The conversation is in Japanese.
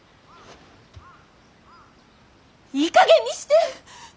いいかげんにして！